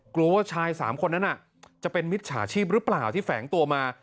กลัวว่าชาย๓คนนั้นจะเป็นมิจฉาชีพหรือเปล่าที่แฝงตัวมา